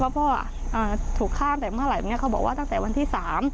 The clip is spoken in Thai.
พ่อถูกฆ่าตั้งแต่เมื่อไหร่เขาบอกว่าตั้งแต่วันที่๓